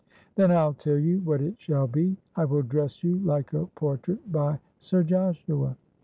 ' Then I'll tell you what it shall be. I will dress you like a portrait by Sir Joshua.